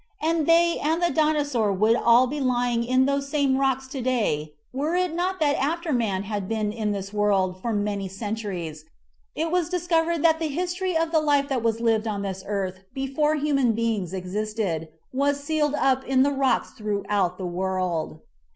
And they and the Dinosaur would all be lying in those same rocks to day were it not that after man had been in this world for many centu ries, it was discovered that the history of the life that was lived on this earth before human beings existed was sealed up in the rocks throughout the world.